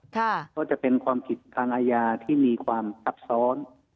ก็จะเป็นความผิดทางอาญาที่มีความซับซ้อน